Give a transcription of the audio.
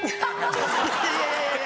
いやいやいやいや。